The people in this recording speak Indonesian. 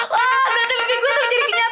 wah berarti mimpi gue tuh menjadi kenyataan